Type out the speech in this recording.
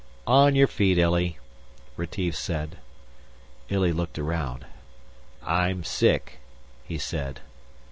"On your feet, Illy," Retief said. Illy looked around. "I'm sick," he said.